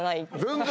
全然！